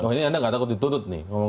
oh ini anda tidak takut ditutup nih